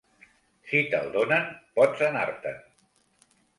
Si te'l donen pots anar-te'n.